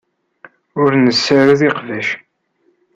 Ur nessared iqbac.